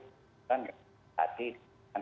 tidak mantip perkelahian